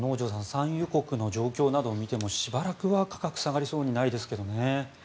産油国の状況などを見てもしばらくは価格下がりそうにないですけどね。